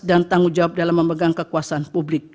dan tanggung jawab dalam memegang kekuasaan publik